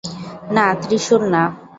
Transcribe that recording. না, ত্রিশূল না।